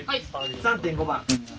３．５番。